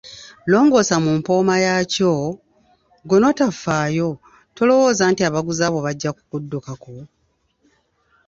Longoosa mu mpooma yaakyo, ggwe n’otafaayo, tolowooza nti abaguzi abo bajja kukuddukako?